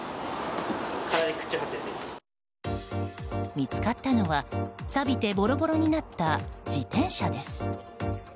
見つかったのは、さびてボロボロになった自転車です。